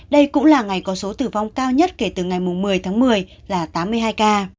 đây cũng là ngày có số tử vong cao nhất kể từ ngày một mươi tháng một mươi là tám mươi hai ca